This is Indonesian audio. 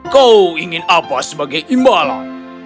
kau ingin apa sebagai imbalan